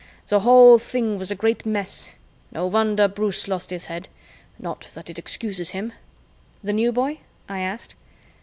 The whole thing was a great mess. No wonder Bruce lost his head not that it excuses him." "The New Boy?" I asked.